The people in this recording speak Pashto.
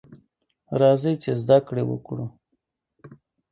راځئ ! چې زده کړې وکړو.